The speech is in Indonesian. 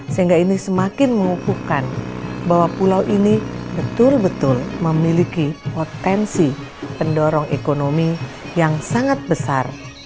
sehingga ini semakin mengukuhkan bahwa pulau ini betul betul memiliki potensi pendorong ekonomi yang sangat besar